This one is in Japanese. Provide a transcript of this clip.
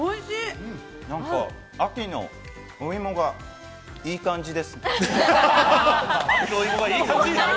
秋のお芋がいい感じです。